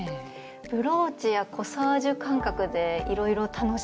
ブローチやコサージュ感覚でいろいろ楽しめそうですね。